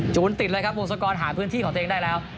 จูนติดเลยครับอุงสัตว์กรหาพื้นที่ของตัวเองได้แล้ว